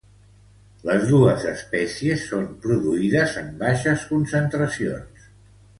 Les dos espècies són produïdes en baixes concentracions.